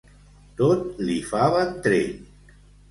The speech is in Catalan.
Tot li fa ventrell.